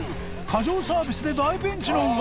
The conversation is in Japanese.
過剰サービスで大ピンチの噂